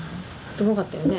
すごかったよね。